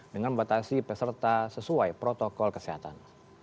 dengan membatasi peserta sesuai protokol kesehatan